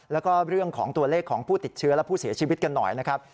แล้วก็เรื่องของตัวเลขของผู้ติดเชื้อและผู้เสียชีวิตกันหน่อยนะครับ